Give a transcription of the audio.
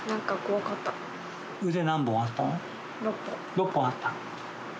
６本あった。